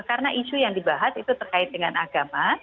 karena isu yang dibahas itu terkait dengan agama